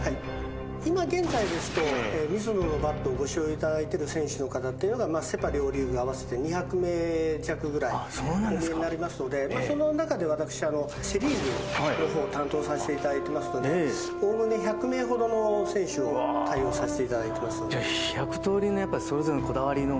今現在ですとミズノのバットをご使用いただいている選手はセ・パ両リーグ合わせて２００人弱ぐらいおりますのでその中で、私はセ・リーグを担当させていただいていますのでおおむね１００人ぐらいの選手を対応させていただいています。